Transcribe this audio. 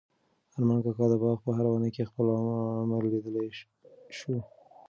ارمان کاکا د باغ په هره ونه کې خپل عمر لیدلی شو.